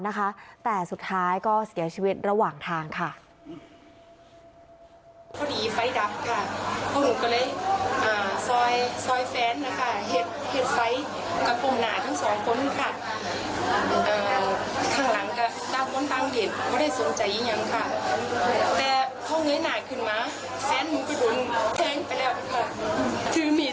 หนาทั้งสองคนค่ะอ่าทางหลังก็เก้าคนตั้งเด็ด